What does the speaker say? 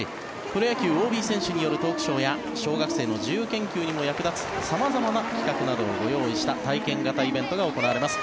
プロ野球ＯＢ選手によるトークショーや小学生の自由研究にも役立つ様々な企画などをご用意した体験型イベントが行われます。